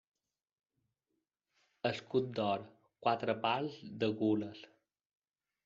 Escut d'or, quatre pals de gules.